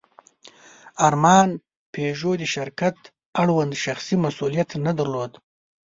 ارمان پيژو د شرکت اړوند شخصي مسوولیت نه درلود.